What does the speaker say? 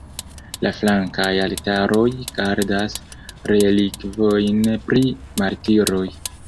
La flankaj altaroj gardas relikvojn pri martiroj.